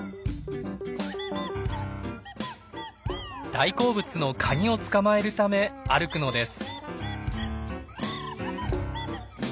大好物のカニを捕まえるため歩くのです。